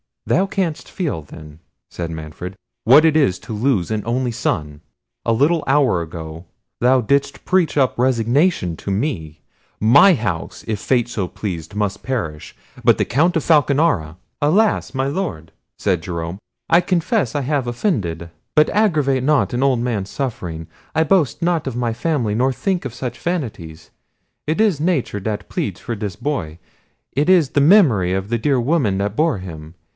"Thou canst feel, then," said Manfred, "what it is to lose an only son! A little hour ago thou didst preach up resignation to me: my house, if fate so pleased, must perish—but the Count of Falconara—" "Alas! my Lord," said Jerome, "I confess I have offended; but aggravate not an old man's sufferings! I boast not of my family, nor think of such vanities—it is nature, that pleads for this boy; it is the memory of the dear woman that bore him.